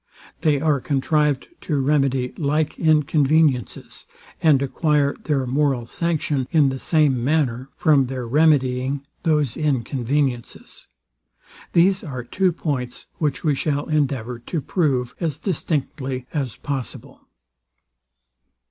They are contrived to remedy like inconveniences, and acquire their moral sanction in the same manner, from their remedying those inconveniences. These are two points, which we shall endeavour to prove as distinctly as possible.